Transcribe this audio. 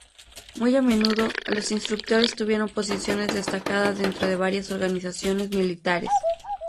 Muy a menudo, los instructores tuvieron posiciones destacadas dentro de varias organizaciones militares.